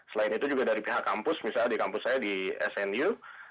selain itu juga dari pihak kampus misalnya di kampus saya di snu